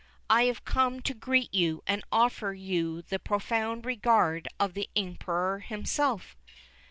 I have come to greet you, and offer you the profound regard of the Emperor himself."